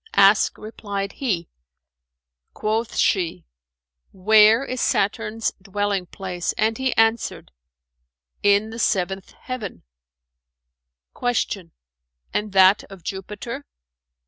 "Ask," replied he. Quoth she, "Where is Saturn's dwelling place?"; and he answered, "In the seventh heaven." Q "And that of Jupiter?"